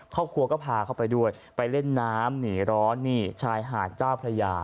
ครอบครัวก็พาเขาไปด้วยไปเล่นน้ำหนีร้อนนี่ชายหาดเจ้าพระยา